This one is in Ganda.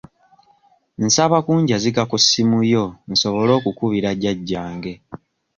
Nsaba kunjazika ku ssimu yo nsobole okukubira jjajjange.